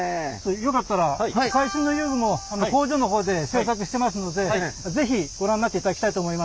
よかったら最新の遊具も工場の方で製作してますので是非ご覧になっていただきたいと思います。